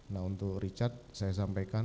nah untuk richard saya sampaikan